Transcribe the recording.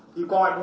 thì tôi nghĩ là